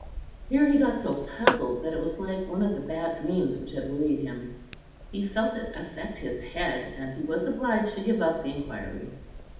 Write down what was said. Here he got so puzzled, that it was like one of the bad dreams which had worried him. He felt it affect his head, and he was obliged to give up the inquiry.